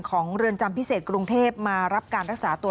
เรือนจำพิเศษกรุงเทพมารับการรักษาตัว